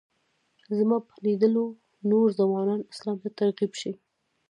زما په لیدلو نور ځوانان اسلام ته ترغیب شي.